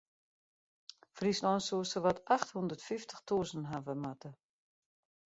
Fryslân soe sawat acht hûndert fyftich tûzen hawwe moatte.